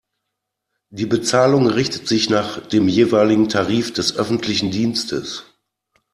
Die Bezahlung richtet sich nach dem jeweiligen Tarif des öffentlichen Dienstes.